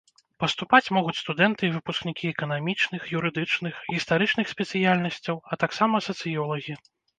Паступаць могуць студэнты і выпускнікі эканамічных, юрыдычных, гістарычных спецыяльнасцяў, а таксама сацыёлагі.